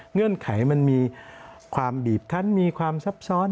เงื่อนไขมันมีความบีบคันมีความซับซ้อน